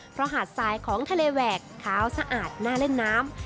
เพราะหาดทรายของทะเลแหวกขาวสะอาดน่าเล่นน้ำ